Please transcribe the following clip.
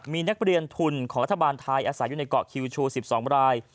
มีนักเรียนทุนของรัฐบาลไทยอาศัยอยู่ในเกาะคิวชู๑๒ราย